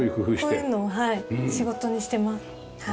こういうのを仕事にしてます。